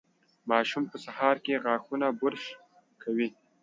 ماشوم په سهار کې غاښونه برش کوي.